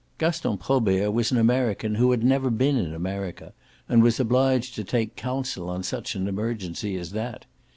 Gaston Probert was an American who had never been in America and was obliged to take counsel on such an emergency as that.